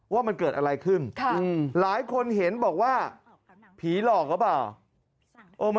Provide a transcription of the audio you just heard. ว่ามันเกิดอะไรขึ้นหลายคนเห็นบอกว่าผีหลอกหรือเปล่า